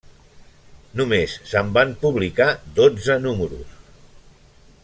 Només se'n van publicar dotze números.